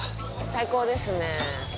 最高ですね。